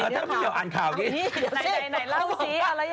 ถ้าพี่เมียวอ่านข่าวนี้